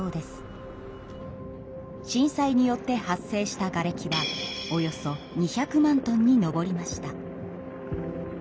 震災によって発生したがれきはおよそ２００万トンに上りました。